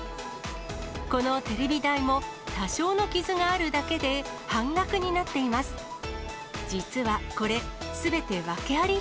このテレビ台も多少の傷があるだけで半額になっています。